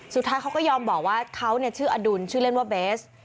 สุดท้ายเขาก็ยอมบอกว่าเขาชื่ออดุลชื่อเล่นว่าเบส